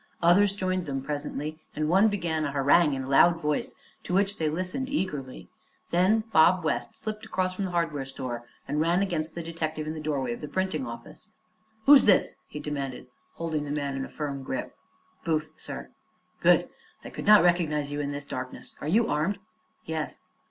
Others joined them, presently, and one began a harangue in a loud voice, to which they listened eagerly. Then Bob West slipped across from the hardware store and ran against the detective in the doorway of the printing office. "Who's this?" he demanded, holding the man in a firm grip. "Booth, sir." "Good. I could not recognize you in this darkness. Are you armed?" "Yes."